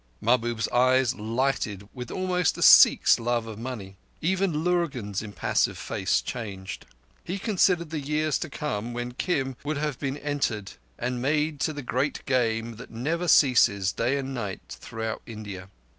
Mahbub's eyes lighted with almost a Sikh's love of money. Even Lurgan's impassive face changed. He considered the years to come when Kim would have been entered and made to the Great Game that never ceases day and night, throughout India.